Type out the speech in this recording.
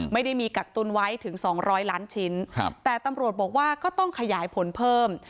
ไม่ได้มีกักตุ้นไว้ถึงสองร้อยล้านชิ้นครับแต่ตำรวจบอกว่าก็ต้องขยายผลเพิ่ม